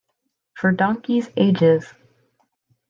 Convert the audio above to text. For donkeys' ages.